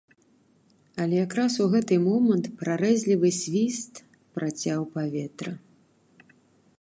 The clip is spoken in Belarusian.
Але якраз у гэты момант прарэзлівы свіст працяў паветра.